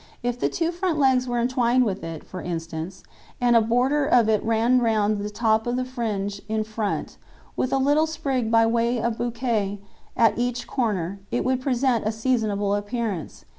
If the two front legs were entwined with it, for instance, and a border of it ran round the top of the fringe in front, with a little sprig by way of bouquet at each corner, it would present a seasonable appearance.